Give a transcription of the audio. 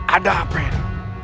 ada apa ya